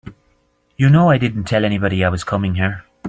You know I didn't tell anybody I was coming here.